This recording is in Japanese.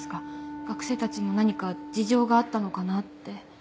学生たちも何か事情があったのかなって。